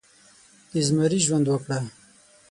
د زمري ژوند وکړه